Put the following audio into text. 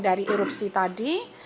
dari erupsi tadi